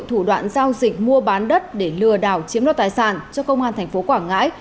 thủ đoạn giao dịch mua bán đất để lừa đảo chiếm đoạt tài sản cho công an thành phố quảng ngãi